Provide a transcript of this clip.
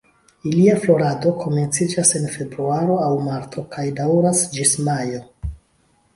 Ilia florado komenciĝas en Februaro aŭ Marto kaj daŭras ĝis Majo.